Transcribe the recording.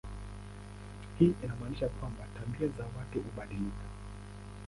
Hii inamaanisha kwamba tabia za watu hubadilika.